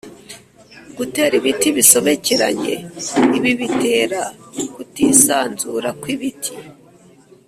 gutera ibiti bisobekeranye ibi bitera kutisanzura kw’ibiti